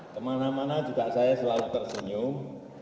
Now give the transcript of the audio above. kemana mana juga saya selalu tersenyum